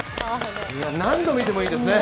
何度見てもいいですね。